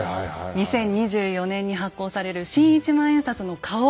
２０２４年に発行される新一万円札の顔。